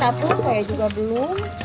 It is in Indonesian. sabar atul saya juga belum